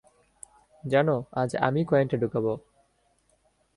জানো, আজ আমিই কয়েনটা ঢোকাব।